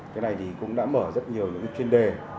cái này thì cũng đã mở rất nhiều những chuyên đề